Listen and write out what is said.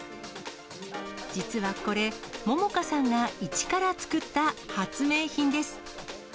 実はこれ、杏果さんが一から作った発明品です。